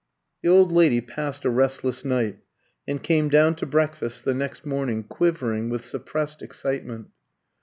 The old lady passed a restless night, and came down to breakfast the next morning quivering with suppressed excitement.